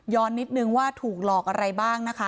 นิดนึงว่าถูกหลอกอะไรบ้างนะคะ